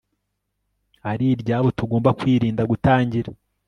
ari iryabo tugomba kwirinda gutangira